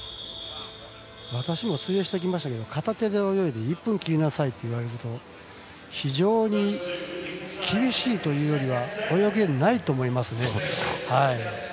私も水泳してきましたけど片手で泳いで１分切りなさいといわれると非常に厳しいというよりは泳げないと思いますね。